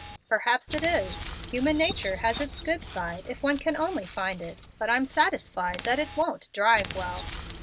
"Perhaps it is. Human nature has its good side if one can only find it, but I'm satisfied that it won't drive well."